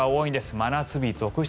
真夏日続出。